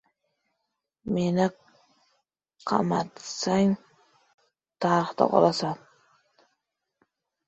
Meni qamatsang, tarixda qolasan!